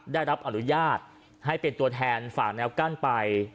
ได้รับอนุญาตให้เป็นตัวแทนฝากแนวกั้นไป